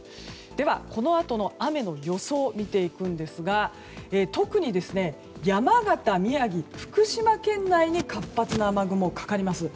では、このあとの雨の予想見ていくんですが特に山形、宮城、福島県内に活発な雨雲がかかります。